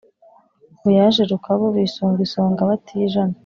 Ngo yaje Rukabu bisunga isonga batijana